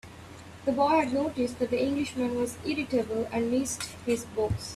The boy had noticed that the Englishman was irritable, and missed his books.